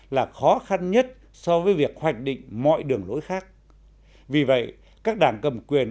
là khó khăn nhất so với việc hoạch định mọi đường lối khác vì vậy các đảng cầm quyền